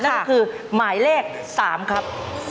นั่นก็คือหมายเลข๓ครับ